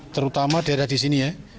terutama daerah di sini ya